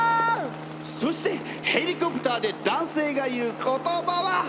そしてヘリコプターで男性が言う言葉は！？